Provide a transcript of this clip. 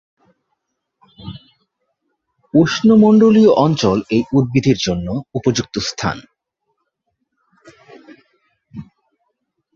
উষ্ণমণ্ডলীয় অঞ্চল এই উদ্ভিদের জন্য উপযুক্ত স্থান।